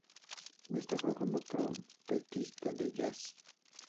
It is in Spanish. Destacó como trompetista de jazz.